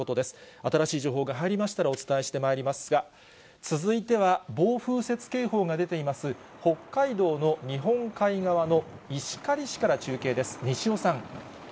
新しい情報が入りましたらお伝えしてまいりますが、続いては、暴風雪警報が出ています、北海道の日本海側の石狩市から中継です。